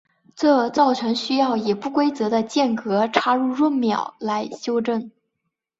这造成需要以不规则的间隔插入闰秒来修正。